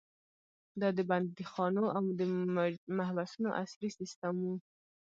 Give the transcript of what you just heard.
دا د بندیخانو او محبسونو عصري سیستم و.